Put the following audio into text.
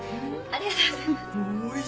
ありがとうございます。